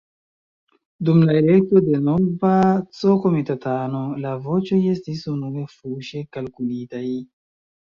Dum la elekto de nova C-komitatano la voĉoj estis unue fuŝe kalkulitaj.